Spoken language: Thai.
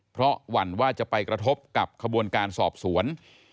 เพราะหวั่นว่าจะไปกระทบกับขบวนการสอบสวน